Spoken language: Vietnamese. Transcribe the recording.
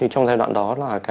trong giai đoạn đó